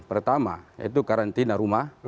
pertama itu karantina rumah